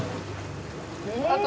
あと。